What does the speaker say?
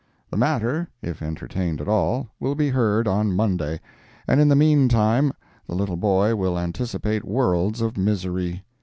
The matter, if entertained at all, will be heard on Monday, and in the mean time the little boy will anticipate worlds of misery.